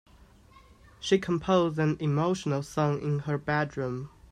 She composed an emotional song in her bedroom.